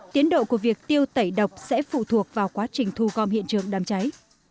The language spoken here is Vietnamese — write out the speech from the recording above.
tiến độ của việc tiêu tẩy độc sẽ phụ thuộc vào quá trình thu gom hiện trường đám cháy